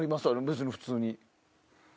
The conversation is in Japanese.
別に普通に。